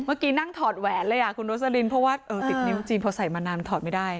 เมื่อกี้นั่งถอดแหวนเลยอ่ะคุณโรสลินเพราะว่าติดนิ้วจริงพอใส่มานานถอดไม่ได้